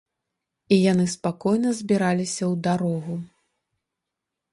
І яны спакойна збіраліся ў дарогу.